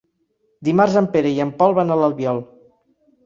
Dimarts en Pere i en Pol van a l'Albiol.